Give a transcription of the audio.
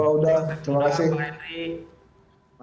terima kasih mas